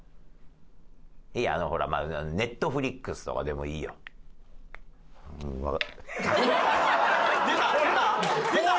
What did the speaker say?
いやあのほらまあＮｅｔｆｌｉｘとかでもいいよ。出た？出た？出た？